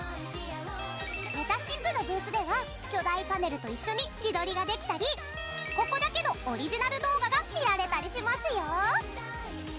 めたしっぷのブースでは巨大パネルと一緒に自撮りができたりここだけのオリジナル動画が見られたりしますよ。